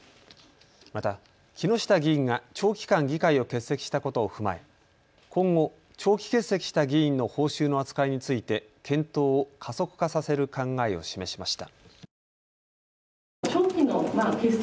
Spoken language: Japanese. また、木下議員が長期間議会を欠席したことを踏まえ今後、長期欠席した議員の報酬の扱いについて、検討を加速化させる考えを示しました。